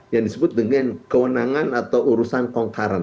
yang disebut dengan kewenangan atau urusan concurrent